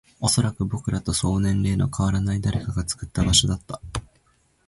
おそらく、僕らとそう年齢の変わらない誰かが作った場所だった